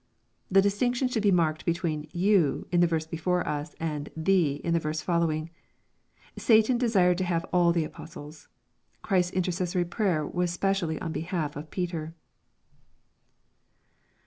The distinction should be marked between *' you" in the versa before us and "thee" in the verse following. Satan desired to have all the apostles. Christ's intercessory prayer was specially on be half of Peter.